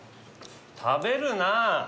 食べるなぁ！